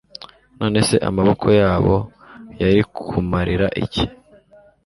none se amaboko yabo yari kumarira iki